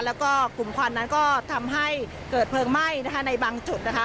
แล้วก็กลุ่มควันนั้นก็ทำให้เกิดเพลิงไหม้นะคะในบางจุดนะคะ